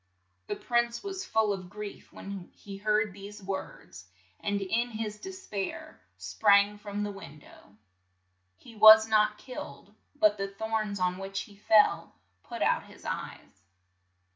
' The prince was full of grief when he heard these words, and in his des pair sprang from the win dow. He was not killed, but the thorns on which he fell put out his eyes.